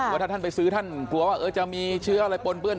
ว่าถ้าท่านไปซื้อท่านกลัวว่าจะมีเชื้ออะไรปนเปื้อน